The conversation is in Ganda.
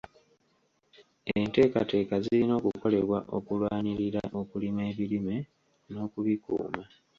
Enteekateeka zirina okukolebwa okulwanirira okulima ebirime n'okubikuuma.